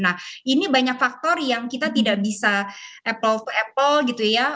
nah ini banyak faktor yang kita tidak bisa apple to apple gitu ya